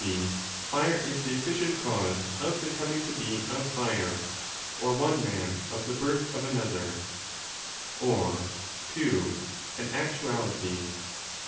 g. fire is the efficient cause of the coming to be of fire or one man of the birth of another), or (ii) an actuality.